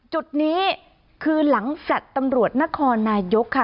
จุดนี้คือหลังแฟลต์ตำรวจนครนายกค่ะ